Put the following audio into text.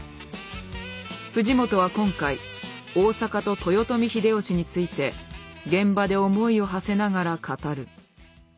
藤本は今回「大阪と豊臣秀吉」について現場で思いをはせながら語る。